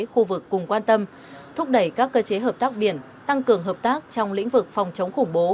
khu vực cùng quan tâm thúc đẩy các cơ chế hợp tác biển tăng cường hợp tác trong lĩnh vực phòng chống khủng bố